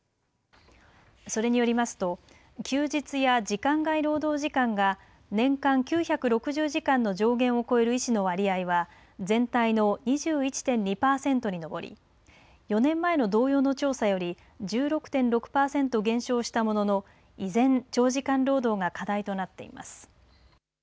それによりますと休日や時間外労働時間が年間９６０時間の上限を超える医師の割合は全体の２１．２パーセントにのぼり４年前の同様の調査より１６．６パーセント減少したものの依然、長時間労働が課題となっています。